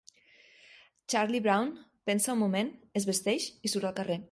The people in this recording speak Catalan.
Charlie Brown pensa un moment, es vesteix i surt al carrer.